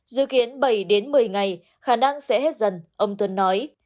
dự kiến bảy đến một mươi ngày khả năng sẽ hết dần ông tuân nói